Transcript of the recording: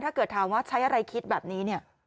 ถ้าเกิดถามว่าใช้อะไรคิดแบบนี้เนี่ย